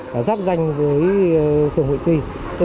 là dắp danh với phường vũ quỳ